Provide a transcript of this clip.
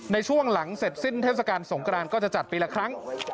ในช่วงหลังเสร็จสิ้นเทศกาลสงกรานก็จะจัดปีละครั้ง